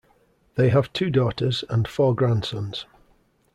They have two daughters and four grandsons.